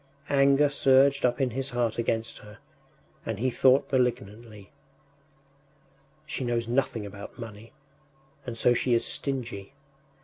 Anger surged up in his heart against her, and he thought malignantly: “She knows nothing about money, and so she is stingy.